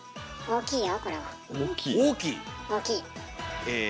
大きい。